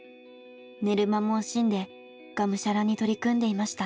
寝る間も惜しんでがむしゃらに取り組んでいました。